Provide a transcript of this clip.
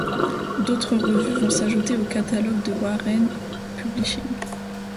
D'autres revues vont s'ajouter au catalogue de Warren Publishing.